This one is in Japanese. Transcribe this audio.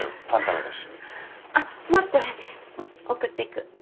送っていく。